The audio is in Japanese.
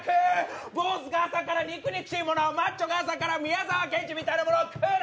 ぼうずが朝から肉々しいものをマッチョが朝から宮沢賢治みたいなものを食うな！